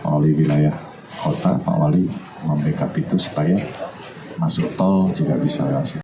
oleh wilayah kota pak wali membackup itu supaya masuk tol juga bisa